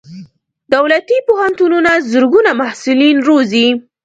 دولتي پوهنتونونه زرګونه محصلین روزي.